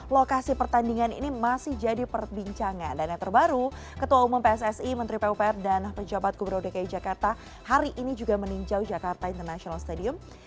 lokasi pertandingan ini masih jadi perbincangan dan yang terbaru ketua umum pssi menteri pupr dan pejabat gubernur dki jakarta hari ini juga meninjau jakarta international stadium